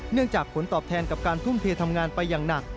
จากผลตอบแทนกับการทุ่มเททำงานไปอย่างหนัก